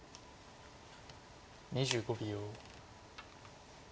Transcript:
２５秒。